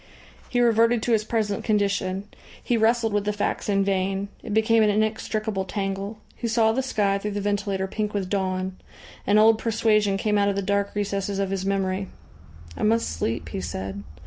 He reverted to his present condition. He wrestled with the facts in vain. It became an inextricable tangle. He saw the sky through the ventilator pink with dawn. An old persuasion came out of the dark recesses of his memory. "I must sleep," he said.